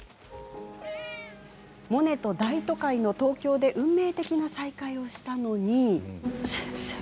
モネと大都会の東京で運命的な再会をしたのに。